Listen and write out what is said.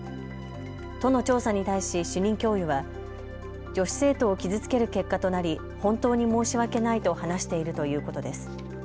都の調査に対し主任教諭は女子生徒を傷つける結果となり本当に申し訳ないと話しているということです。